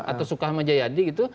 atau suka sama jayadi gitu